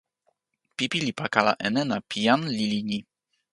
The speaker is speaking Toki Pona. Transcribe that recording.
pipi li pakala e nena pi jan lili ni.